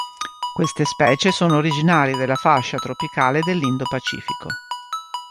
Queste specie sono originarie della fascia tropicale dell'Indo-Pacifico.